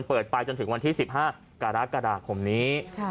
ไปจนถึงวันที่๑๕กรกฎาคมนี้